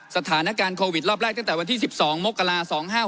สถานการณ์โควิดรอบแรกตั้งแต่วันที่๑๒มกรา๒๕๖๖